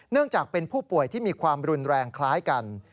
จากเป็นผู้ป่วยที่มีความรุนแรงคล้ายกัน